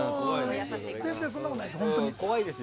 全然そんなことないです。